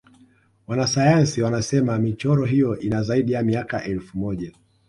wanasayansi wanasena michoro hiyo ina zaidi ya miaka elfu moja